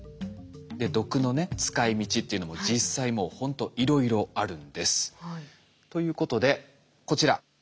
毒のね使い道っていうのも実際もうほんといろいろあるんです。ということでこちら。